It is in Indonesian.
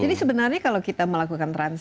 jadi sebenarnya kalau kita melakukan transaksi